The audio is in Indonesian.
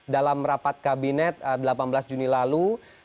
dalam rapat kabinet delapan belas juni lalu